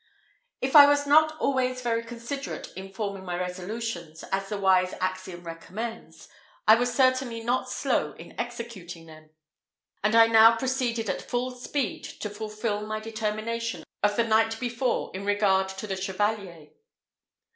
If I was not always very considerate in forming my resolutions, as the wise axiom recommends, I was certainly not slow in executing them; and I now proceeded at full speed to fulfil my determination of the night before in regard to the Chevalier.